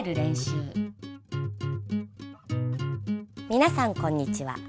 皆さんこんにちは。